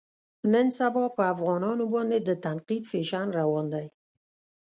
نن سبا په افغانانو باندې د تنقید فیشن روان دی.